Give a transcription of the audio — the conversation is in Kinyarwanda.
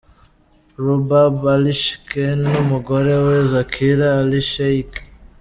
Roobab Ali Sheikh n’umugore we zakira ali sheik .